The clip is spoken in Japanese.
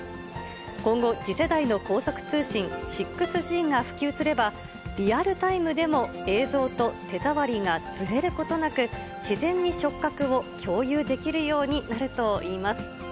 今後、次世代の高速通信、６Ｇが普及すれば、リアルタイムでも映像と手触りがずれることなく、自然に触覚を共有できるようになるといいます。